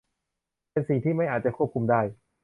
เป็นสิ่งที่ไม่อาจจะควบคุมได้